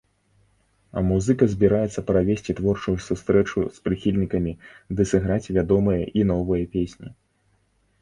Музыка збіраецца правесці творчую сустрэчу з прыхільнікамі ды сыграць вядомыя і новыя песні.